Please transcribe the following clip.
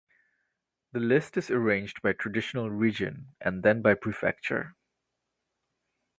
The list is arranged by traditional region and then by prefecture.